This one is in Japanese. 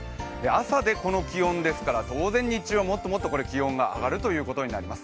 朝でこの気温ですから当然日中はもっともっと気温が上がることになります。